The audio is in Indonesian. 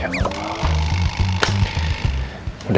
udah ya gak usah dibahas ya